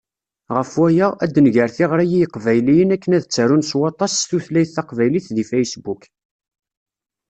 Ɣef waya, ad d-nger tiɣri i Yiqbayliyen akken ad ttarun s waṭas s tutlayt taqbaylit deg Facebook.